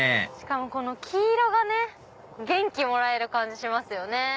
しかもこの黄色がね元気もらえる感じしますよね。